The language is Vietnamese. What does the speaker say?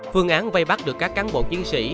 phương án vây bắt được các cán bộ chiến sĩ